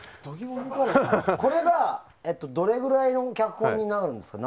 これがどれぐらいの脚本になるんですか？